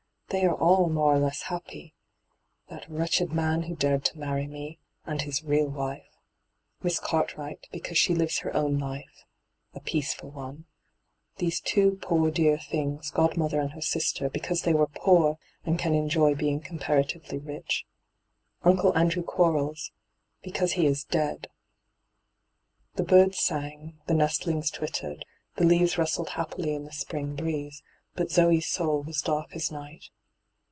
'They are all more or less happy. That wretched man who dared to marry me, and his real wife. Miss Cartwright, because she lives her own life — a peaceful one. These two poor dear things, godmother and her sister, because they were poor, and can enjoy hyGoogIc 270 ENTRAPPED being oomparatavely rich. Unole Andrew Quarles — because he is dead I' The birds sang, the nestlings twittered, the teaves rustled happily in the spring breeze, but Zoe's soul was dark as night.